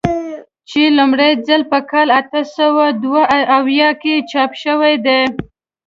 چې لومړی ځل په کال اته سوه دوه اویا کې چاپ شوی دی.